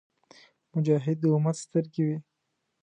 مجاهد د امت سترګې وي.